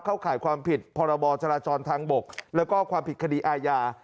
ข่ายความผิดพรบจราจรทางบกแล้วก็ความผิดคดีอาญา